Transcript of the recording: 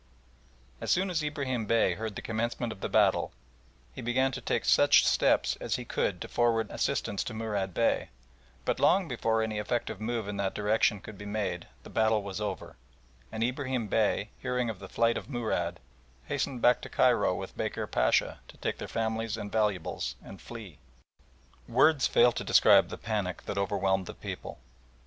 As soon as Ibrahim Bey heard the commencement of the battle he began to take such steps as he could to forward assistance to Murad Bey, but long before any effective move in that direction could be made the battle was over, and Ibrahim Bey, hearing of the flight of Murad, hastened back to Cairo with Bekir Pacha, to take their families and valuables and flee. Words fail to describe the panic that overwhelmed the people.